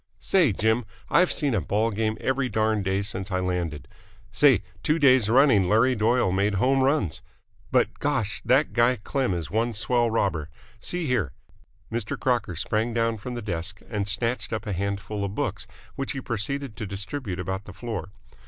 "Say, Jim, I've seen a ball game every darned day since I landed! Say, two days running Larry Doyle made home runs! But, gosh! that guy Klem is one swell robber! See here!" Mr. Crocker sprang down from the desk, and snatched up a handful of books, which he proceeded to distribute about the floor.